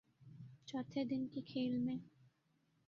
چوتھے دن کے کھیل میں